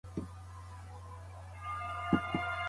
د زعفرانو پیاز کروندګرو ته وېشل کېږي.